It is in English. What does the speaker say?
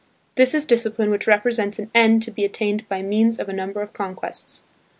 This is discipline which represents an end to be attained by means of a number of conquests.